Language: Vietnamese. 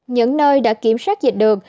những nơi đã kiểm soát dịch được